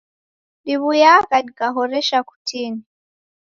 Diw'uyagha dikahoresha kutini.